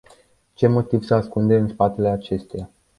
Ce motiv se ascunde în spatele acesteia?